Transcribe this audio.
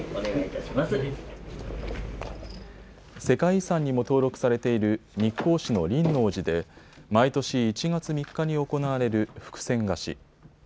世界遺産にも登録されている日光市の輪王寺で毎年１月３日に行われる福銭貸し。